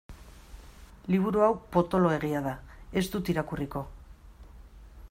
Liburu hau potoloegia da, ez dut irakurriko.